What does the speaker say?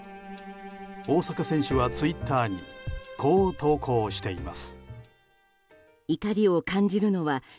大坂選手はツイッターにこう投稿しています。